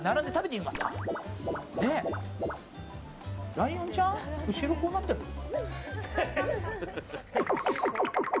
ライオンちゃん後ろこうなってるの。